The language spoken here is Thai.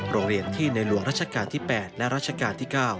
โรงเรียนที่ในหลวงรัชกาลที่๘และรัชกาลที่๙